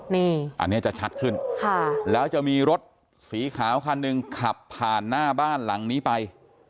นี่อันนี้จะชัดขึ้นแล้วจะมีรถสีขาวคันหนึ่งขับผ่านหน้าบ้านหลังนี้ไป